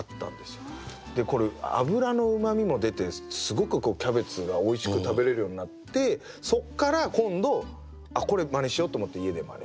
これ油のうまみも出てすごくキャベツがおいしく食べれるようになってそっから今度これ真似しようと思って家で真似して。